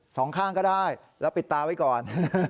สองข้างก็ได้แล้วปิดตาไว้ก่อน